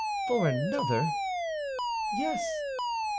"For another?" "Yes."